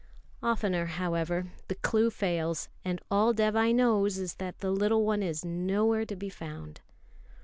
Oftener, however, the clue fails, and all Dévai knows is that the little one is nowhere to be found.